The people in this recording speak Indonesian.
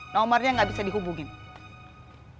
nomernya gak bisa dihubungin